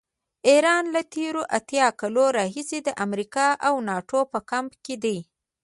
ایران له تېرو اتیا کالو راهیسې د امریکا او ناټو په کمپ کې دی.